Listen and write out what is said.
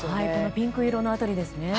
ピンク色の辺りですね。